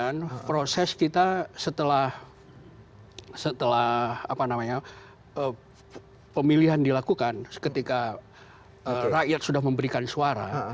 dan proses kita setelah pemilihan dilakukan ketika rakyat sudah memberikan suara